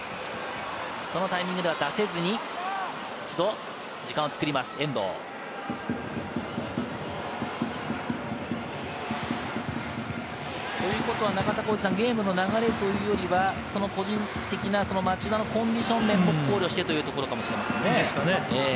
そのタイミングでは出さずに一度時間を作ります、遠藤。ということは中田さん、ゲームの流れというよりは、個人的な町田のコンディションの考慮してというところかもしれませんね。